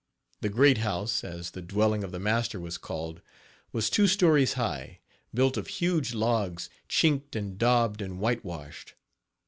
The "great house," as the dwelling of the master was called, was two stories high, built of huge logs, chinked and daubed and whitewashed.